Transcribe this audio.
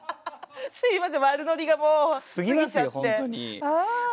すいません悪ノリがもう過ぎちゃって。